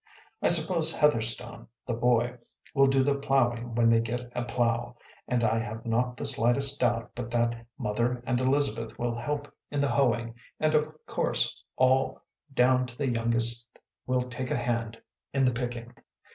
I suppose Heather stone, the boy, will do the plowing when they get a plow, and I have not the slightest doubt but that Mother and Elizabeth will help in the hoeing and of course all, down to the youngest, will take a hand in the picking."